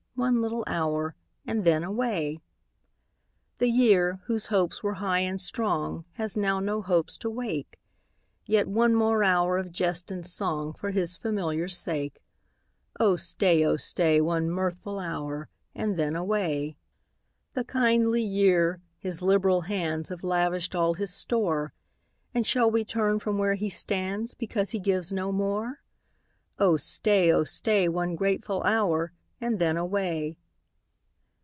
One little hour, and then away. The year, whose hopes were high and strong, Has now no hopes to wake ; Yet one hour more of jest and song For his familiar sake. Oh stay, oh stay, One mirthful hour, and then away. 36 POEMS. The kindly year, his liberal hands Have lavished all his store. And shall we turn from where he stands, Because he gives no more? Oh stay, oh stay, One grateful hotir, and then away.